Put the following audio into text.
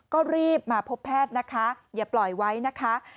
ก็รีบมาพบแพทย์นะคะอย่าปล่อยไว้นะคะ